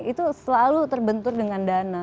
itu selalu terbentur dengan dana